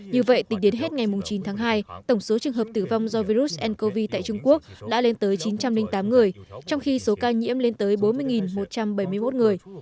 như vậy tính đến hết ngày chín tháng hai tổng số trường hợp tử vong do virus ncov tại trung quốc đã lên tới chín trăm linh tám người trong khi số ca nhiễm lên tới bốn mươi một trăm bảy mươi một người